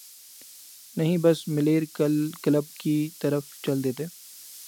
نہیں بس ملیر کلب کی طرف چل دیتے۔